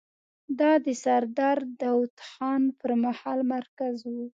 دا د سردار داوود خان پر مهال مرکز و.